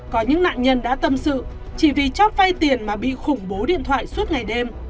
có những nạn nhân đã tâm sự chỉ vì chót vay tiền mà bị khủng bố điện thoại suốt ngày đêm